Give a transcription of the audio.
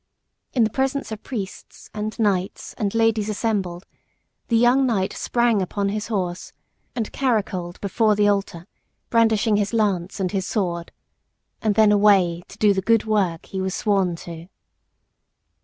In the presence of priests, and knights, and ladies assembled, the young knight sprang upon his horse and caracoled before the altar, brandishing his lance and his sword. And then away to do the good work he was sworn to.